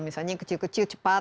misalnya kecil kecil cepat